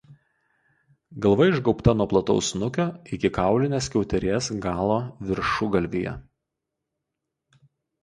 Galva išgaubta nuo plataus snukio iki kaulinės skiauterės galo viršugalvyje.